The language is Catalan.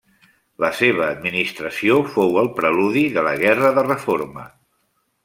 La seva administració fou el preludi de la Guerra de Reforma.